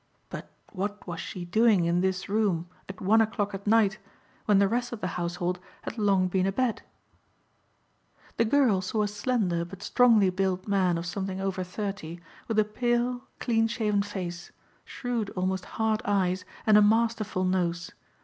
But what was she doing in this room at one o'clock at night when the rest of the household had long been abed? The girl saw a slender but strongly built man of something over thirty with a pale, clean shaven face, shrewd almost hard eyes and a masterful nose.